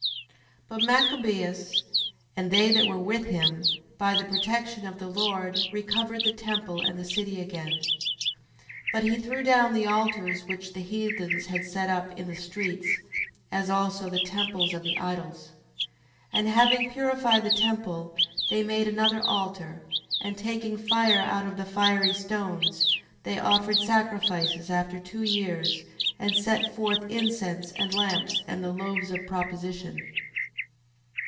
10:1. But Machabeus, and they that were with him, by the protection of the Lord, recovered the temple and the city again. 10:2. But he threw down the altars which the heathens had set up in the streets, as also the temples of the idols. 10:3. And having purified the temple, they made another altar: and taking fire out of the fiery stones, they offered sacrifices after two years, and set forth incense, and lamps, and the loaves of proposition.